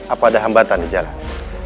apa ada hambatan di jalan